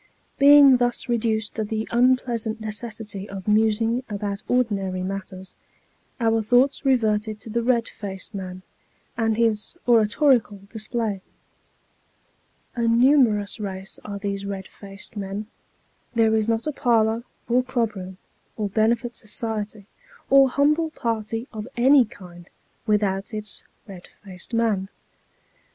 Being thus reduced to the unpleasant necessity of musing about ordinary matters, our thoughts reverted to the red faced man, and his oratorical display. A numerous race are these red faced men ; there is not a parlour, or club room, or benefit society, or humble party of any kind, without its red faced man.